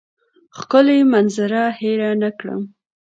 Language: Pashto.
ښکلې منظره هېره نه کړم.